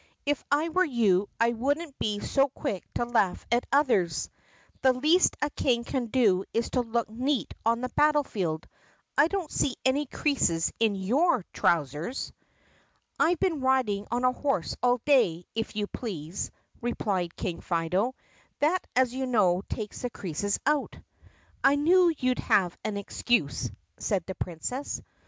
"If I were you I would n't be so quick to laugh at others. The least a King can do is to look neat on the battle field. I don't see any creases in your trousers." "I 've been riding on a horse all day, if you please," re plied King Fido. "That, as you know, takes the creases out." "I knew you 'd have an excuse," said the Princess.